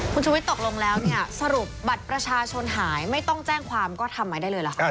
คุณชุมวิทย์ตกลงแล้วสรุปบัตรประชาชนหายไม่ต้องแจ้งความก็ทำไหมได้เลยละครับ